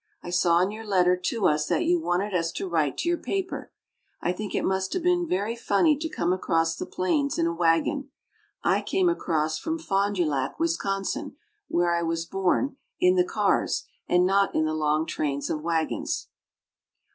I saw in your letter to us that you wanted us to write to your paper. I think it must have been very funny to come across the plains in a wagon. I came across from Fond du Lac, Wisconsin (where I was born), in the cars, and not in the long trains of wagons.